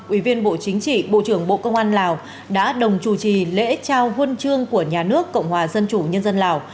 ủy viên bộ chính trị bộ trưởng bộ công an lào đã đồng chủ trì lễ trao huân chương của nhà nước cộng hòa dân chủ nhân dân lào